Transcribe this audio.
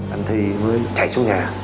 anh thì mới chạy xuống nhà